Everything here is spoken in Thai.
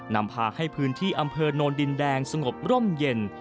นำพาให้พื้นที่อำเภอโนนดินแดงสงบร่มเย็น